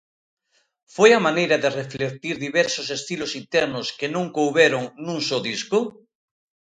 Foi a maneira de reflectir diversos estilos internos que non couberon nun só disco?